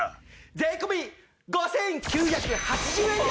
税込５９８０円です！